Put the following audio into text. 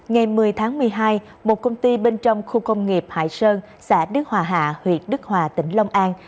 ngày một mươi tháng một mươi hai một công ty bên trong khu công nghiệp hải sơn xã đức hòa hạ huyện đức hòa tỉnh long an